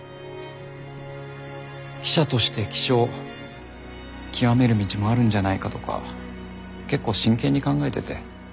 記者として気象極める道もあるんじゃないかとか結構真剣に考えてて自分でも驚きます。